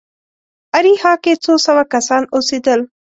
اریحا کې څو سوه کسان اوسېدل.